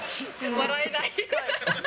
笑えない。